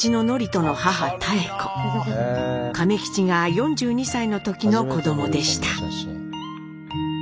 亀吉が４２歳の時の子どもでした。